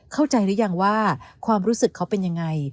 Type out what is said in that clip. เข้าใจหรือยังว่าความรู้สึกเขาเป็นยังไง